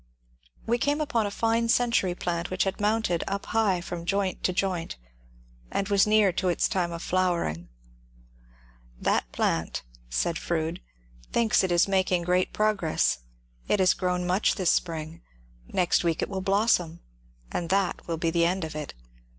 We came upon a fine century plant which had mounted up high from joint to joint, and was near to its time of flowering. ^^ That plant," said Froude, ^^ thinks it is making great progress ; it has grown much this spring ; next week it will blossom, and that will be the end of it.